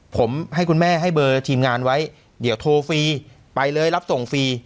ผมให้คุณแม่ให้เบอร์ทีมงานไว้เดี๋ยวโทรฟรีไปเลยรับส่งฟรี